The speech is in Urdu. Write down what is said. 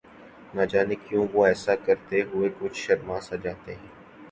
نہ جانے کیوں وہ ایسا کرتے ہوئے کچھ شرماسا جاتے ہیں